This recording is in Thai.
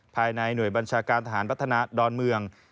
ภายในหน่วยบัญชาการทหารพัฒนาดอนเมือง